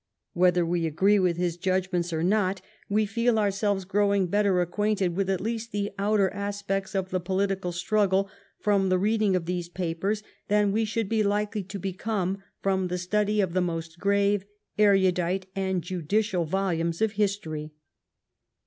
Whether we agree with his judgments or not, we feel ourselves growing better acquainted with at least the outer aspects of the political stru^le from the reading of these papers than we should be likely to become from the study of the most grave, erudite, and judicial volumes of history.